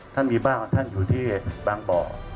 ท่านมีบ้านของท่านอยู่ที่บางบ่อ